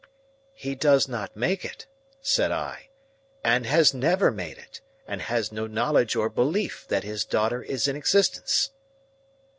"He does not make it," said I, "and has never made it, and has no knowledge or belief that his daughter is in existence."